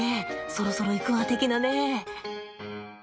そろそろいくわ的なね。